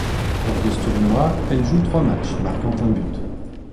Lors de ce tournoi, elle joue trois matchs, marquant un but.